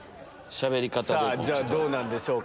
じゃあどうなんでしょうか。